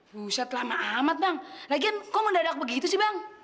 pusat lama amat bang lagian kok mendadak begitu sih bang